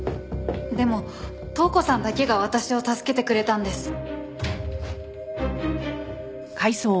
でも塔子さんだけが私を助けてくれたんです。